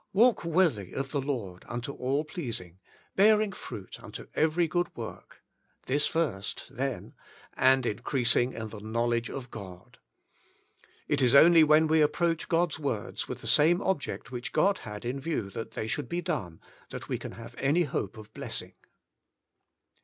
"Walk worthy of the Lord unto all pleasing, bearing fruit unto Every Good Work (this first, then) and increasing in the Knowledge of God.^^ It is only when we ap proach God's words with the same object which God had in view That They Should Be Done, that we can have any hope of blessing.